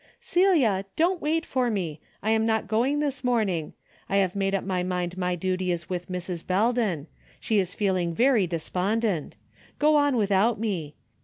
" Celia, don't wait for me. I am not going this morning. I have made up my mind my duty is with Mrs. Belden. She is feeling very despondent. Go on without me.